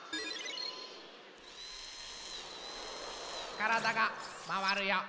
からだがまわるよ。